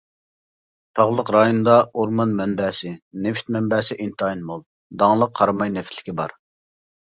تاغلىق رايوندا ئورمان مەنبەسى، نېفىت مەنبەسى ئىنتايىن مول، داڭلىق قاراماي نېفىتلىكى بار.